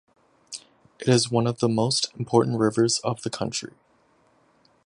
It is one of the most important rivers of the country.